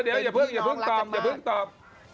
เดี๋ยวอย่าเพิ่งตอบอย่าเพิ่งตอบ